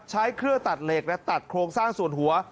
ใช้เครื่องตัดเหล็กและตัดโครงสร้างส่วนหัว